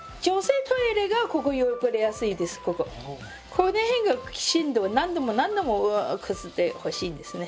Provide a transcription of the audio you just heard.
この辺がきちんと何度も何度もこすってほしいんですね。